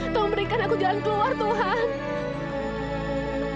tolong berikan aku jalan keluar tuhan